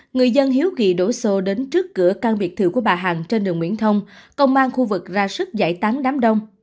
người dân hiếu kỳ đổ xô đến trước cửa căn biệt thự của bà hằng trên đường nguyễn thông công an khu vực ra sức giải tán đám đông